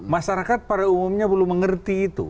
masyarakat pada umumnya belum mengerti itu